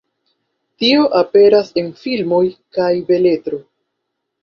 Tio aperas en filmoj kaj beletro.